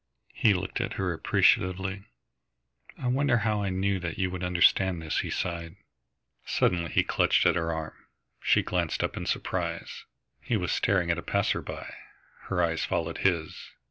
He looked at her appreciatively. "I wonder how I knew that you would understand this," he sighed. Suddenly he clutched at her arm. She glanced up in surprise. He was staring at a passer by. Her eyes followed his.